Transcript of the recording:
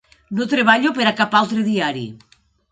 No treballo per a cap altre diari!